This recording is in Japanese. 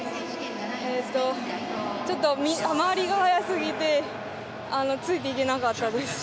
ちょっと周りが速すぎてついていけなかったです。